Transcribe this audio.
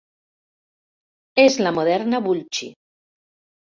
És la moderna Vulci.